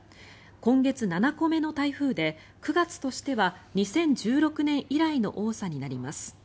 今月７個目の台風で９月としては２０１６年以来の多さになります。